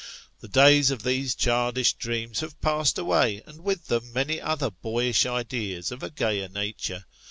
The days of these childish dreams have passed away, and with them many other boyish ideas of a gayer nature.